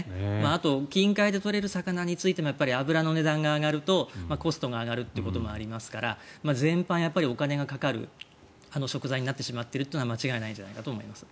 あと、近海で取れる魚についても油の値段が上がるとコストが上がるということもありますから全般、お金がかかる食材になってしまっているというのは間違いないんじゃないかと思います。